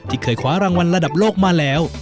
เคยคว้ารางวัลระดับโลกมาแล้ว